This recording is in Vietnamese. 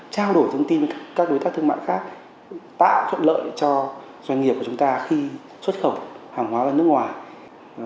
trao đổi thông tin với các đối tác thương mại khác tạo thuận lợi cho doanh nghiệp của chúng ta khi xuất khẩu hàng hóa ra nước ngoài